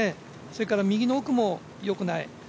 それから、右の奥もよくない。